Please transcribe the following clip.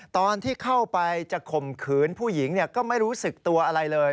ตอนที่เข้าไปจะข่มขืนผู้หญิงก็ไม่รู้สึกตัวอะไรเลย